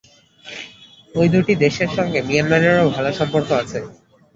ওই দুটি দেশের সঙ্গে মিয়ানমারেরও ভালো সম্পর্ক আছে।